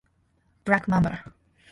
ブラックマンバ